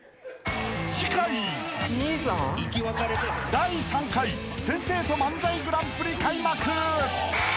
［第３回先生と漫才グランプリ開幕］